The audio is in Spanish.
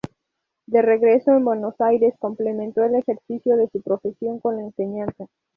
De regreso en Buenos Aires complemento el ejercicio de su profesión con la enseñanza.